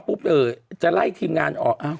ปุ๊บจะไล่ทีมงานอ่อ